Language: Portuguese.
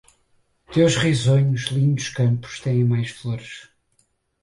Teus risonhos, lindos campos têm mais flores